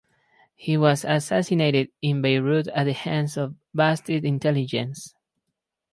He was assassinated in Beirut at the hands of the Baathist intelligence.